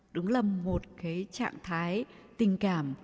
đúng là một cái trạng thái tình cảm